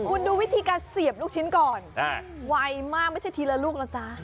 คุณดูวิธีการเสียบลูกชิ้นก่อนไวมากไม่ใช่ทีละลูกนะจ๊ะ